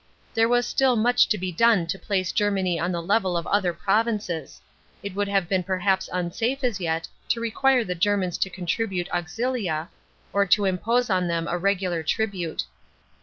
There was *till much to be done to place Germany on the level of other provinces ; it would have been perhaps unsafe as yet to n quire the Germans to contribute aunfia, or t<> impose on them a regular tribute.